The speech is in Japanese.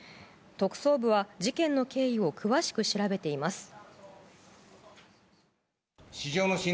特捜部は事件の経緯を詳しく調べています。